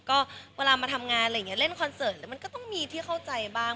ก็เวลามาทำงานอะไรอย่างนี้เล่นคอนเสิร์ตแล้วมันก็ต้องมีที่เข้าใจบ้าง